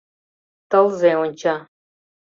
Тылзе онча.